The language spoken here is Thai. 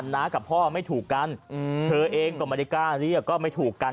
น้ากับพ่อไม่ถูกกันเธอเองก็ไม่ได้กล้าเรียกก็ไม่ถูกกัน